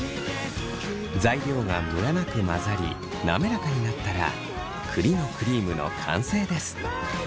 材料がムラなく混ざり滑らかになったら栗のクリームの完成です。